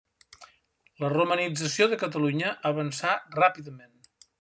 La romanització de Catalunya avançà ràpidament.